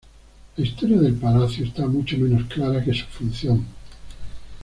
La historia del palacio está mucho menos clara que su función.